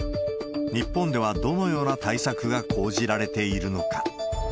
日本ではどのような対策が講じられているのか。